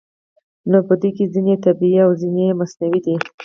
نه په دوی کې ځینې یې طبیعي دي او ځینې یې مصنوعي دي